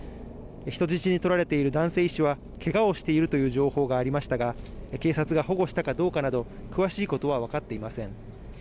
人質に取られている男性医師はけがをしているという情報がありましたが、警察が保護したかどうかなど、詳しいことは分かっていません。